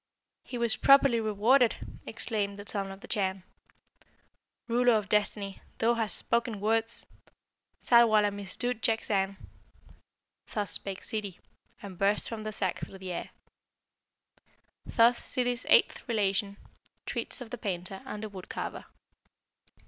"He was properly rewarded!" exclaimed the Son of the Chan. "Ruler of Destiny, thou hast spoken words! Ssarwala missdood jakzang!" Thus spake Ssidi, and burst from the sack through the air. Thus Ssidi's eighth relation treats of the Painter and the Wood carver.